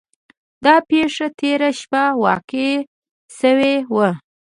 دا پیښه تیره شپه واقع شوې وه.